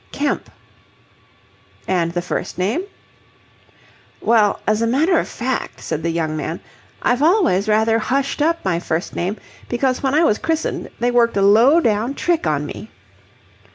"Kemp." "And the first name?" "Well, as a matter of fact," said the young man, "I've always rather hushed up my first name, because when I was christened they worked a low down trick on me!"